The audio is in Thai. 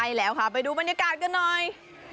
ใช่แล้วค่ะไปดูบรรยากาศกันหน่อย